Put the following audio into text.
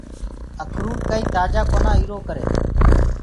اکروُٽ ڪآئي تآجآ ڪونآ اُرو ڪري۔